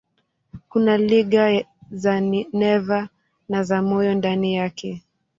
Kuna liga za neva na za moyo ndani yake.